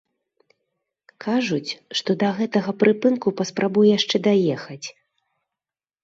Кажуць, што да гэтага прыпынку паспрабуй яшчэ даехаць.